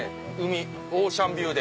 オーシャンビューで。